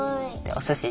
おすしか。